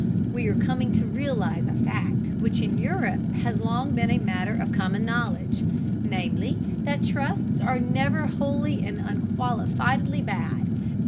We are coming to realize a fact which in Europe has long been a matter of common knowledge, namely, that trusts are never wholly and unqualifiedly bad.